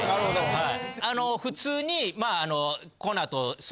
はい。